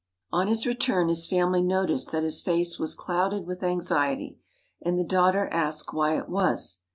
On his return his family noticed that his face was clouded with anxiety, and the daughter asked why it was.